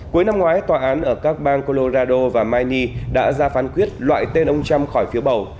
cuối năm ngoái tòa án ở các bang colorado và mia đã ra phán quyết loại tên ông trump khỏi phiếu bầu